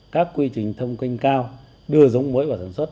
các quy trình thông kênh cao đưa giống mới vào sản xuất